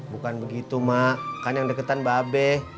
bukan begitu mak kan yang deketan mbak abe